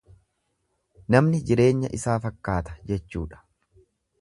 Namni jireenya isaa fakkaata jechuudha.